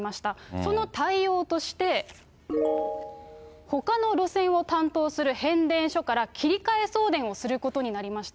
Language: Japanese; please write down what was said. その対応として、ほかの路線を担当する変電所から切り替え送電をすることになりました。